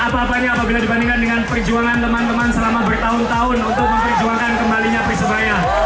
tapi tidak ada apa apanya apabila dibandingkan dengan perjuangan teman teman selama bertahun tahun untuk memperjuangkan kembalinya persebaya ke sepak bola nasional